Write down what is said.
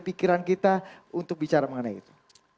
pikiran kita untuk bicara mengenai itu